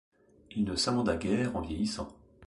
Il ne s'amenda guère en vieillissant.